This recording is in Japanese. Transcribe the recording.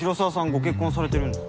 ご結婚されてるんじゃ？